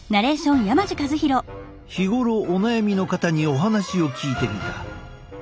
日頃お悩みの方にお話を聞いてみた。